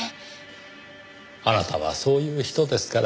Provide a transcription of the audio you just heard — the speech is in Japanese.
あなたはそういう人ですから。